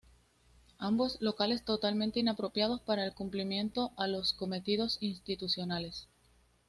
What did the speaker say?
Ambos locales totalmente inapropiados para el cumplimiento a los cometidos institucionales.